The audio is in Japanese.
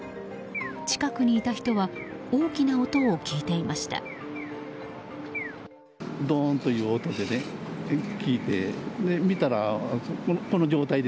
近くにいた人は大きな音を聞いていました。